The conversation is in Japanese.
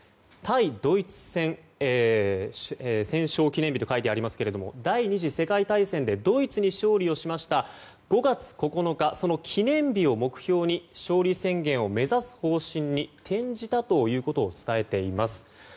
対ドイツ戦戦勝記念日と書いてありますが第２次世界大戦でドイツに勝利をしました５月９日、その記念日を目標に勝利宣言を目指す方針に転じたということを伝えています。